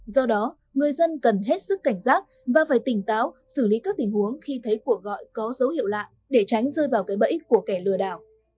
do đó người dân cần hết sức cảnh giác và phải tỉnh táo xử lý các tình huống khi thấy cuộc gọi có dấu hiệu lạ để tránh rơi vào cái bẫy của kẻ lừa đảo